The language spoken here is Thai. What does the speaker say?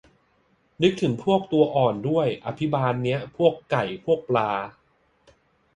นึกถึงพวกตัวอ่อนด้วย อภิบาลเนี่ย พวกไก่ พวกปลา